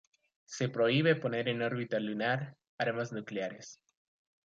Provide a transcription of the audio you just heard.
Se prohíbe poner en órbita lunar armas nucleares.